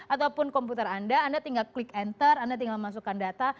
ataupun komputer anda anda tinggal klik enter anda tinggal masukkan data